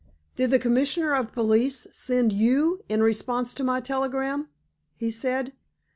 "Did the Commissioner of Police send you in response to my telegram?" he said.